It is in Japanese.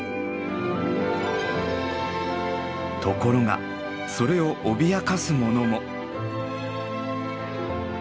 ところがそれを脅かす者も。